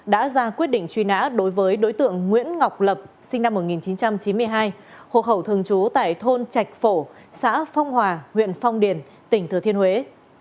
đã ra quyết định truy nã đối với đối tượng nguyễn ngọc lập sinh năm một nghìn chín trăm chín mươi hai hộ khẩu thường trú tại thôn trạch phổ xã phong hòa huyện phong điền tỉnh thừa thiên huế